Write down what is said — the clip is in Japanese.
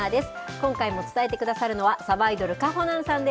今回も伝えてくださるのは、さばいどる、かほなんさんです。